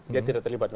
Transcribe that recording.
dia tidak terlibat